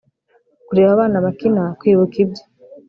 kureba abana bakina, kwibuka ibye.